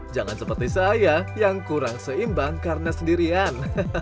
jangan seperti saya yang kurang seimbang karena sendirian